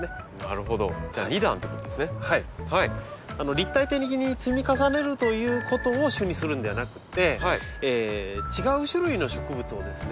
立体的に積み重ねるということを主にするんではなくて違う種類の植物をですね